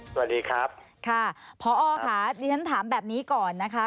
สวัสดีครับค่ะพอค่ะดิฉันถามแบบนี้ก่อนนะคะ